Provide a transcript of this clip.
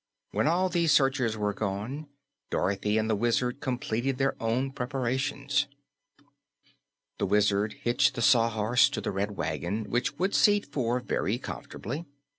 When all these searchers were gone, Dorothy and the Wizard completed their own preparations. The Wizard hitched the Sawhorse to the Red Wagon, which would seat four very comfortably.